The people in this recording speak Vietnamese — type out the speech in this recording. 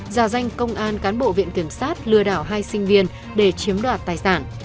giả danh công an cán bộ viện kiểm sát lừa đảo hai sinh viên để chiếm đoạt tài sản